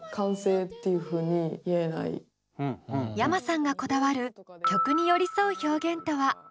ｙａｍａさんがこだわる曲に寄り添う表現とは？